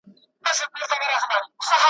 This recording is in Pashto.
پر اولس د کرارۍ ساعت حرام وو ,